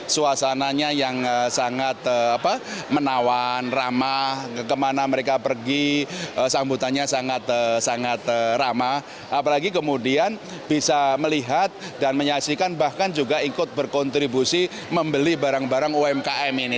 suasananya yang sangat menawan ramah kemana mereka pergi sambutannya sangat sangat ramah apalagi kemudian bisa melihat dan menyaksikan bahkan juga ikut berkontribusi membeli barang barang umkm ini